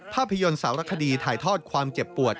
ภาพยนตร์สารคดีถ่ายทอดความเจ็บปวด